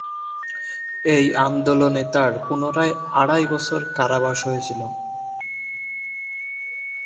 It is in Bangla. এই আন্দোলনে তার পূনরায় আড়াই বছর কারাবাস হয়েছিল।